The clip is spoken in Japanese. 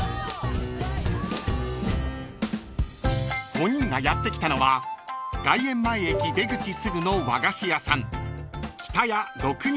［５人がやって来たのは外苑前駅出口すぐの和菓子屋さん］